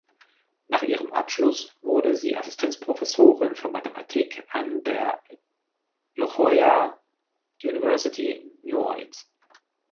Nach ihrem Abschluss wurde sie Assistenzprofessorin für Mathematik an der Loyola University New Orleans.